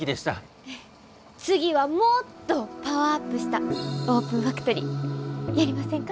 次はもっとパワーアップしたオープンファクトリーやりませんか？